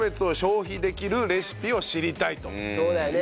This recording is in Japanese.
そうだよね。